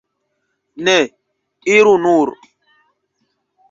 Ne, iru nur!